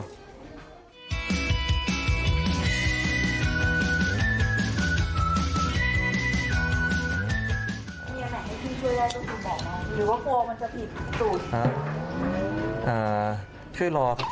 หรือว่าโครมันสำหรับดู